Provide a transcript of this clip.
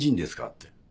って。